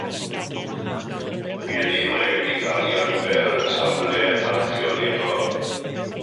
Heddiw mae wedi cael ei adfer yn safle archeolegol.